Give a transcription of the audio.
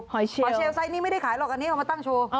เชียวหอเชียวไซส์นี่ไม่ได้ขายหรอกอันนี้เอามาตั้งโชว์